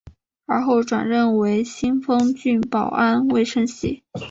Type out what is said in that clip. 而后转任为新丰郡保安卫生系。